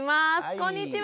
こんにちは。